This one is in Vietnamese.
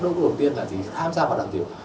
đối với đầu tiên là tham gia hoạt động tình dục